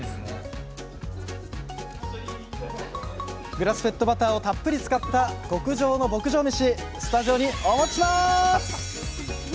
グラスフェッドバターをたっぷり使った極上の牧場メシスタジオにお持ちします！